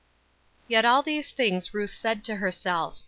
Yet all these things Ruth said to herself.